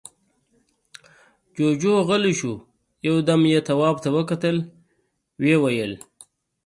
جُوجُو غلی شو، يو دم يې تواب ته وکتل، ويې ويل: